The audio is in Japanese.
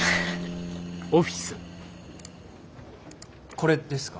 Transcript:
これですか？